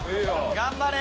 頑張れ！